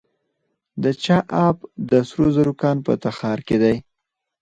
د چاه اب د سرو زرو کان په تخار کې دی